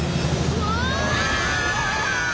うわ！